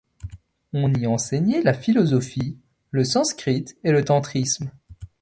On y enseignait la philosophie, le sanskrit et le tantrisme.